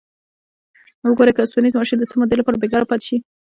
وګورئ که اوسپنیز ماشین د څه مودې لپاره بیکاره پاتې شي.